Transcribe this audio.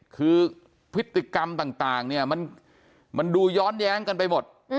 คือพฤติกรรมต่างเนี่ยมันดูย้อนแย้งกันไปหมด